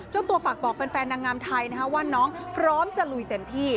ตัวฝากบอกแฟนนางงามไทยว่าน้องพร้อมจะลุยเต็มที่